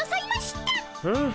うん。